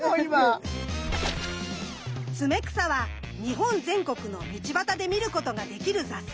ツメクサは日本全国の道端で見ることができる雑草。